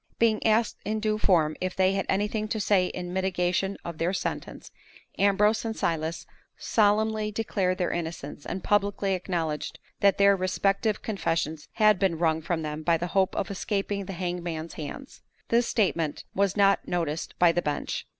Being asked in due form if they had anything to say in mitigation of their sentence, Ambrose and Silas solemnly declared their innocence, and publicly acknowledged that their respective confessions had been wrung from them by the hope of escaping the hangman's hands. This statement was not noticed by the bench.